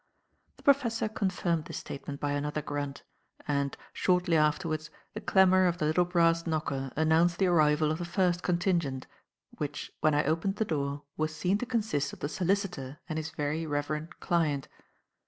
The professor confirmed this statement by another grunt, and, shortly afterwards, the clamour of the little brass knocker announced the arrival of the first contingent, which, when I opened the door, was seen to consist of the solicitor and his very reverend client.